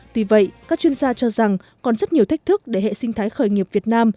tuy vậy các chuyên gia cho rằng còn rất nhiều thách thức để hệ sinh thái khởi nghiệp việt nam